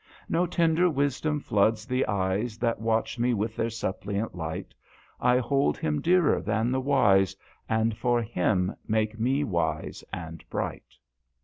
" No tender wisdom floods the eyes That watch me with their suppliant light I hold him dearer than the wise, And for him make me wise and bright."